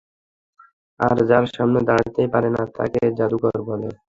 আর যার সামনে দাঁড়াতে পারে না তাকে জাদুকর বলে।